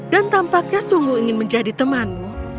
dan tampaknya sungguh ingin menjadi temanmu